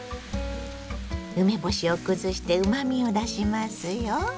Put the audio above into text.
梅干しを崩してうまみを出しますよ。